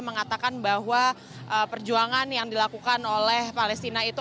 mengatakan bahwa perjuangan yang dilakukan oleh palestina itu